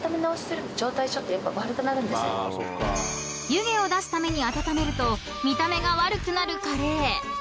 ［湯気を出すために温めると見た目が悪くなるカレー］